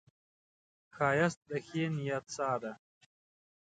ښایست د ښې نیت ساه ده